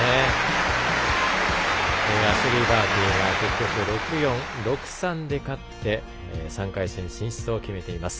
アシュリー・バーティは結局６−４、６−３で勝って３回戦進出を決めています。